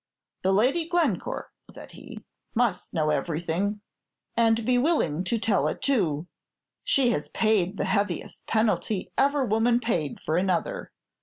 "The Lady Glencore," said he, "must know everything, and be willing to tell it too. She has paid the heaviest penalty ever woman paid for another.